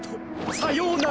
さようなら。